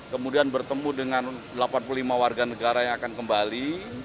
kemudian bertemu dengan delapan puluh lima warga negara yang akan kembali